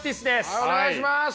はいお願いします。